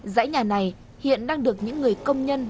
dãy nhà này hiện đang được những người công nhân